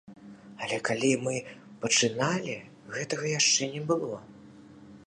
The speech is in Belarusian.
Але калі мы пачыналі, гэтага яшчэ не было.